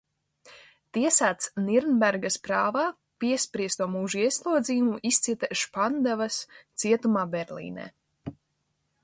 Tiesāts Nirnbergas prāvā, piespriesto mūža ieslodzījumu izcieta Špandavas cietumā Berlīnē.